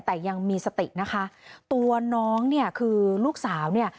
แต่ยังมีสตินะคะตัวน้องเนี่ยคือลูกสาวเนี่ย